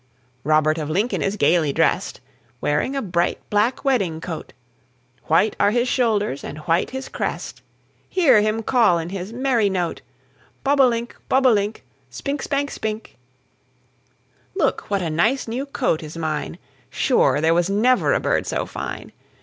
Robert of Lincoln is gayly dressed, Wearing a bright, black wedding coat; White are his shoulders, and white his crest, Hear him call in his merry note, Bob o' link, bob o' link, Spink, spank, spink, Look what a nice, new coat is mine; Sure there was never a bird so fine.